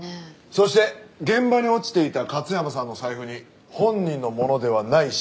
そして現場に落ちていた勝山さんの財布に本人のものではない指紋が付いていました。